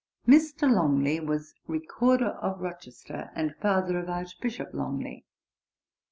Mr. Longley was Recorder of Rochester, and father of Archbishop Longley.